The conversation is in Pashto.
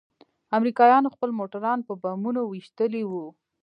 امريکايانوخپل موټران په بمونو ويشتلي وو.